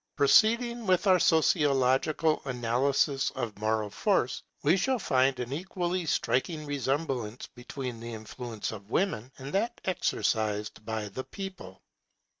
Proceeding with our sociological analysis of moral force, we shall find an equally striking resemblance between the influence of Women and that exercised by the People.